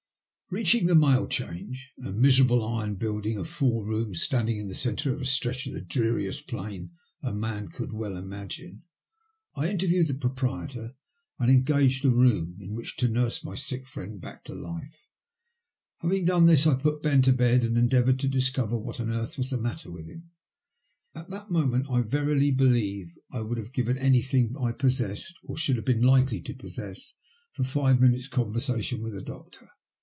Beaching the Mail Change — a miserable iron build ing of four rooms, standing in the centre of a stretch of the dreariest plain a man could well imagine — I interviewed the proprietor and engaged a room in which to nurse my sick friend back to life. Having done this I put Ben to bed and enJeavoured to discover what on earth was the matter with him. At that moment I verily believe I would have given anything I possessed, or should have been likely to possess, for five minutes' conversation with a doctor.